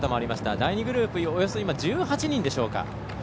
第２グループ１８人でしょうか。